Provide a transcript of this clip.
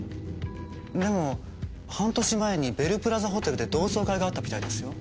でも半年前にベルプラザホテルで同窓会があったみたいですよ。